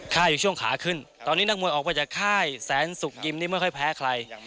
ค่ายอยู่ช่วงขาขึ้นตอนนี้นักมวยออกมาจากค่ายแสนสุกยิมนี่ไม่ค่อยแพ้ใคร